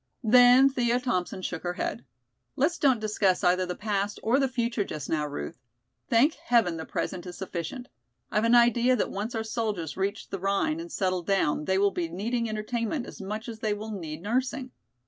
Then Thea Thompson shook her head. "Let's don't discuss either the past or the future just now, Ruth. Thank heaven the present is sufficient! I've an idea that once our soldiers reach the Rhine and settle down they will be needing entertainment as much as they will need nursing.